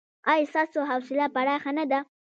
ایا ستاسو حوصله پراخه نه ده؟